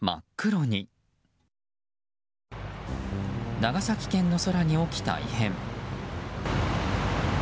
長崎県の空に起きた異変。